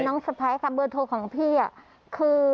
เป็นน้องสะพ้ายค่ะเมื่อโทรของพี่คือ